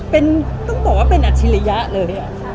เป็นต้องบอกว่าเป็นอัจฉริยะเลย